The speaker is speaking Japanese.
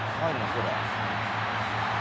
これ。